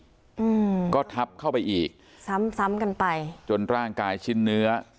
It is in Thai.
อืมก็ทับเข้าไปอีกซ้ำซ้ำกันไปจนร่างกายชิ้นเนื้อ